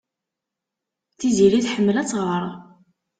Tiziri tḥemmel ad tɣer.